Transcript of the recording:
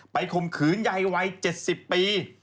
ไปคมขืนใหญ่วัย๗๐ปี